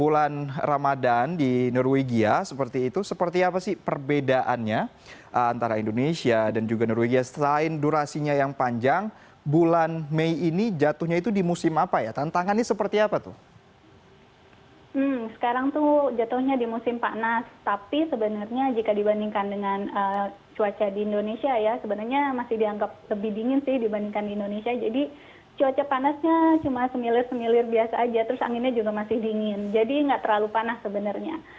lebih dingin sih dibandingkan di indonesia jadi cuaca panasnya cuma semilir semilir biasa aja terus anginnya juga masih dingin jadi nggak terlalu panas sebenarnya